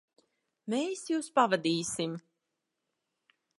Mēs jūs pavadīsim.